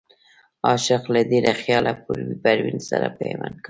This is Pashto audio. عاشق له ډېره خياله پروين سره پيوند کا